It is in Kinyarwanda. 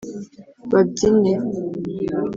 babyine